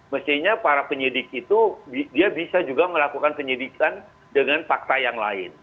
mestinya para penyidik itu dia bisa juga melakukan penyidikan dengan fakta yang lain